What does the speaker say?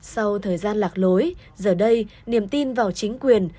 sau thời gian lạc lối giờ đây niềm tin vào chính quyền